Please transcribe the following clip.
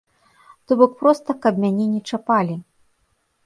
То бок проста каб мяне не чапалі.